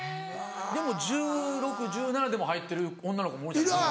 でも１６１７でも入ってる女の子もおるじゃないですか。